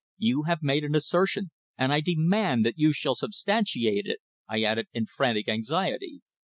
You have made an assertion, and I demand that you shall substantiate it," I added in frantic anxiety.